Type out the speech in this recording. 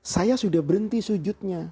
saya sudah berhenti sujudnya